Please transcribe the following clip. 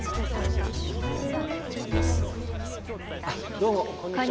あどうもこんにちは。